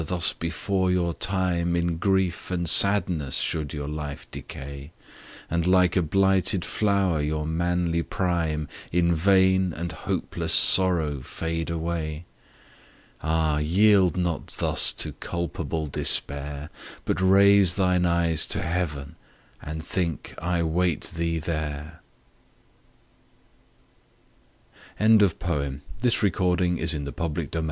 thus before your time, In grief and sadness should your life decay, And like a blighted flower, your manly prime In vain and hopeless sorrow fade away? Ah! yield not thus to culpable despair, But raise thine eyes to Heaven and think I wait thee there.' SONNET XVI. FROM PETRARCH. YE vales and woods!